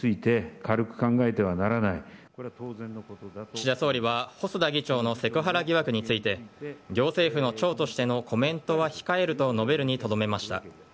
岸田総理は細田議長のセクハラ疑惑について行政府の長としてのコメントは控えると述べるにとどめました。